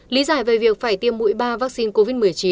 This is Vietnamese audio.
lý giải về việc phải tiêm mũi ba vắc xin covid một mươi chín